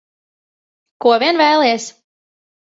Ko vien vēlies.